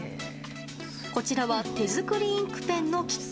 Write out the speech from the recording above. こちらは手作りインクペンのキット。